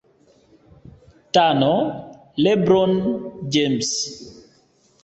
Tano LeBron James